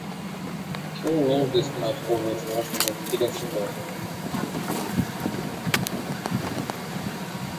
He named this particular version the experience curve.